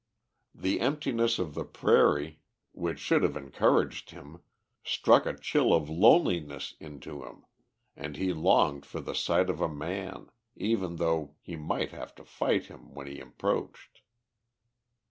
The emptiness of the prairie, which should have encouraged him, struck a chill of loneliness into him, and he longed for the sight of a man, even though he might have to fight him when he approached.